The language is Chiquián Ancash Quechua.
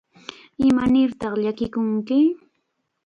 ¿Imanirtaq llakikunki?